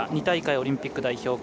２大会オリンピック代表